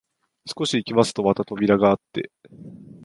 少し行きますとまた扉があって、